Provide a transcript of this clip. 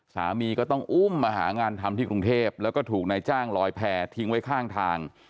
สามีก็ต้องอุ้มมาหางานทำที่กรุงเทพแล้วก็ถูกนายจ้างลอยแผ่ทิ้งไว้ข้างทาง